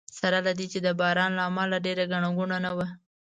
سره له دې چې د باران له امله ډېره ګڼه ګوڼه نه وه.